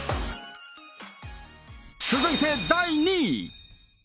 続いて第２位。